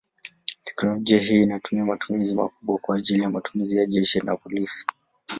Teknolojia hii ina matumizi makubwa kwa ajili matumizi ya jeshi na polisi.